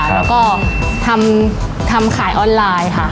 แล้วก็ทำขายออนไลน์ค่ะ